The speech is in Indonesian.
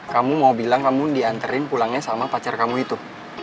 kamu mau bilang kamu dianterin pulangnya sama pacar kamu itu